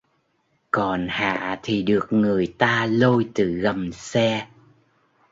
Còn Hạ thì được người ta lôi từ gầm xe